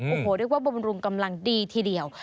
โอ้โหเรียกว่าบำรุงกำลังดีทีเดียว